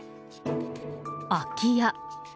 空き家。